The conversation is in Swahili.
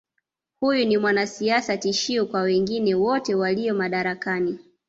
Huyu ni mwanasiasa tishio kwa wengine wote walio madarakani